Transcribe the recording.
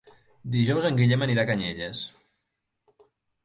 Dijous en Guillem anirà a Canyelles.